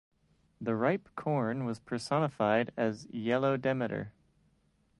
The ripe corn was personified as Yellow Demeter.